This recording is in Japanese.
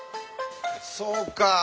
そうか。